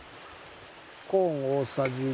コーン大さじ１。